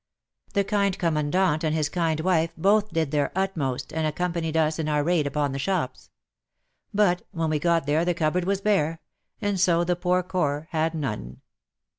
The kind Commandant and his kind wife both did their utmost and accompanied us in our raid upon the shops. But when we got there the cupboard was bare," and so the poor Corps had none.